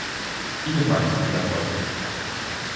Ihnen weiter viel Erfolg.